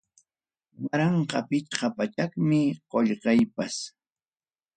Waranqa pichqa pachakmi qollqeypas.